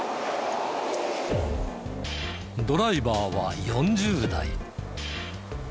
ドライバーは４０代。